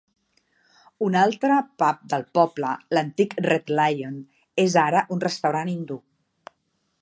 Un altre pub del poble, l'antic Red Lion, és ara un restaurant hindú.